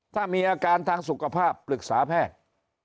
ถ้ามีอาการทางสุขภาพปรึกษาแพทย์